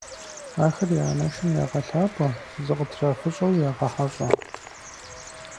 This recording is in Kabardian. Ахэр я анэшым ягъэлъапӀэ, зыкытрафыщӀэу ягъэхьэщӀэ.